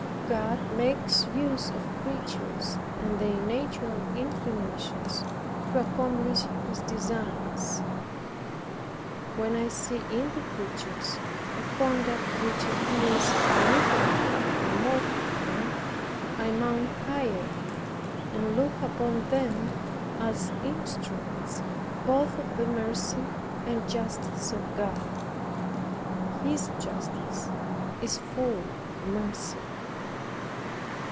God makes use of creatures, and their natural inclinations to accomplish His designs. When I see in the creatures a conduct which appears unreasonable and mortifying, I mount higher, and look upon them as instruments both of the mercy and justice of God. His justice is full of mercy.